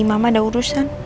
mama ada urusan